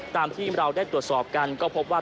ตามที่เราได้ตรวจสอบกันก็พบว่า